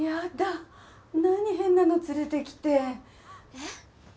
えっ？